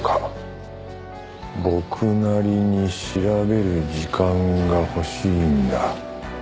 「僕なりに調べる時間がほしいんだ」